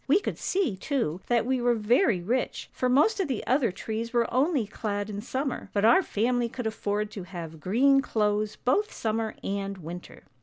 We could see, too, that we were very rich, for most of the other trees were only clad in summer, but our family could afford to have green clothes both summer and winter.